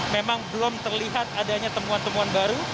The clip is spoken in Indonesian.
memang belum terlihat adanya temuan temuan baru